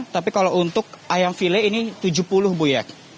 tapi kalau untuk ayam file ini tujuh puluh bu ya